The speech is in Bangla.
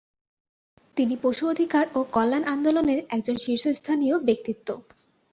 তিনি পশু অধিকার ও কল্যাণ আন্দোলনের একজন শীর্ষস্থানীয় ব্যক্তিত্ব।